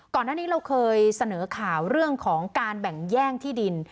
ก่อนหน้านี้เราเคยเสนอข่าวเรื่องของการแบ่งแย่งที่ดิน